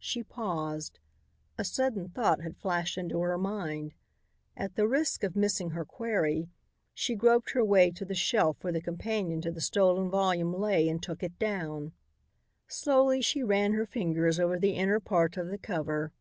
She paused. A sudden thought had flashed into her mind. At the risk of missing her quarry, she groped her way to the shelf where the companion to the stolen volume lay and took it down. Slowly she ran her fingers over the inner part of the cover.